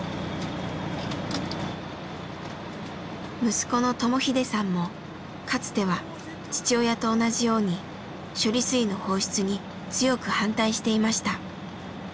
息子の智英さんもかつては父親と同じように処理水の放出に強く反対していました。